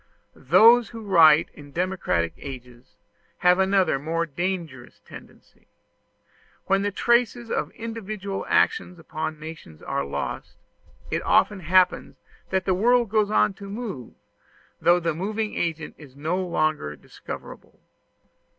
Those who write in democratic ages have another more dangerous tendency. When the traces of individual action upon nations are lost, it often happens that the world goes on to move, though the moving agent is no longer discoverable.